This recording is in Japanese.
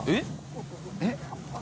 えっ？